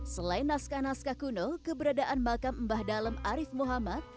selain naskah naskah kuno keberadaan makam mbah dalem arief muhammad